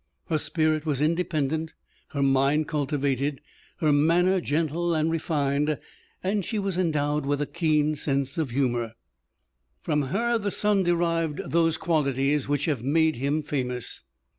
Her spirit was independent, her mind cultivated, her manner gentle and refined, and she was endowed with a keen sense of humor. From her, the son derived those qualities which have made him famous.